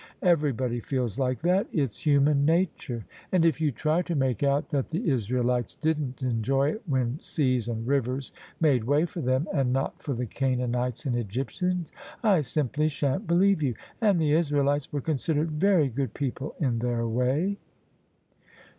Everybody feels like that: it's human nature. And if you try to make out that the Israelites didn't enjoy it when seas and rivers made way for them and not for the Canaanites and Egyptians, I simply sha'n't believe you: and the Israelites were considered very gpod people in their way."